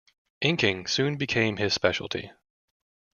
Inking soon became his specialty.